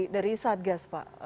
dari satgas pak